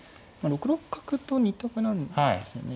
６六角と２択なんですよね